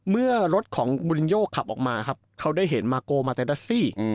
เมื่อรถของบุรินโยขับออกมาครับเขาได้เห็นมาโกมาเตดัสซี่